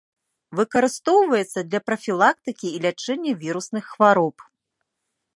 Выкарыстоўваецца для прафілактыкі і лячэння вірусных хвароб.